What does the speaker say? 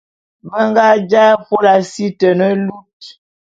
Be nga jaé afôla si te ne lut.